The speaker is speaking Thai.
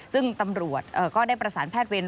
ซึ่งตำรวจก็ได้ประสานแพทย์เวร